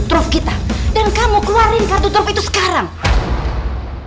truk kita dan kamu keluarin kartu top itu sekarang kamu berburu